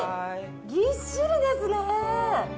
ぎっしりですね。